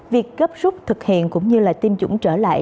việc gấp rút thực hiện cũng như tiêm chủng trở lại